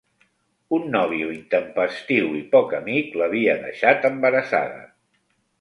Un nòvio intempestiu i poc amic l'havia deixat embarassada.